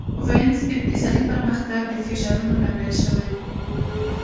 وینز اقتصادي پرمختګ د فشارونو لامل شوی و.